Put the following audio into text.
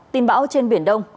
tin bão trên biển đông